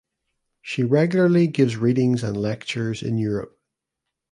She regularly gives readings and lectures in Europe.